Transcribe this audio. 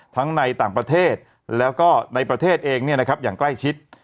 ทั้งในต่างประเทศแล้วก็ในประเทศเองเนี่ยนะครับอย่างใกล้ชิด